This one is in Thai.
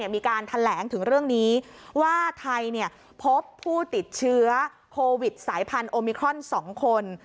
มีการแถลงถึงเรื่องนี้ว่าไทยพบผู้ติดเชื้อโควิดสายพันธุมิครอน๒คน